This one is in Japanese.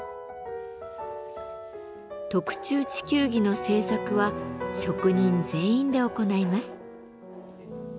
特注地球儀の制作は職人全員で行います。